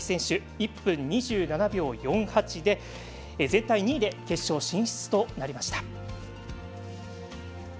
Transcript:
１分２７秒４８で全体２位で決勝進出となりました。